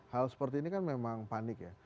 hal seperti ini kan memang panik ya